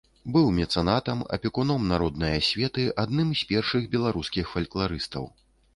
Быў мецэнатам, апекуном народнай асветы, адным з першых беларускіх фалькларыстаў.